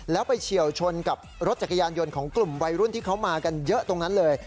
แล้วไปเฉียวชนกับรถจักรยานยนต์ของกลุ่มวัยรุ่นที่เขามากันเยอะตรงนั้นเลย